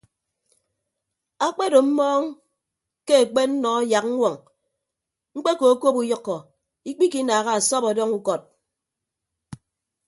Akpedo mmọọñ ke akpennọ yak ññwoñ mkpekokop uyʌkkọ ikpikinaaha asọp ọdọñ ukọd.